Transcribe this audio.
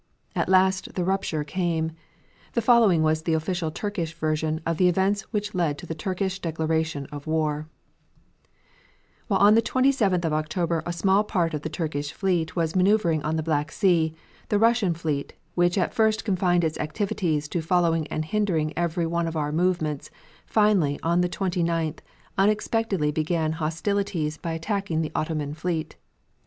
At last the rupture came. The following was the official Turkish version of the events which led to the Turkish declaration of war: "While on the 27th of October a small part of the Turkish fleet was maneuvering on the Black Sea, the Russian fleet, which at first confined its activities to following and hindering every one of our movements, finally, on the 29th, unexpectedly began hostilities by attacking the Ottoman fleet.